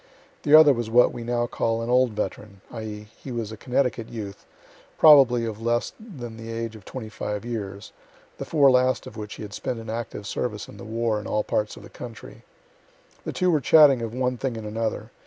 The other was what we now call an "old veteran," (i.e., he was a Connecticut youth, probably of less than the age of twenty five years, the four last of which he had spent in active service in the war in all parts of the country.) The two were chatting of one thing and another.